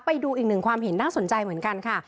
ไปดูอีกหนึ่งความเห็นน่าสนใจเหมือนกันค่ะ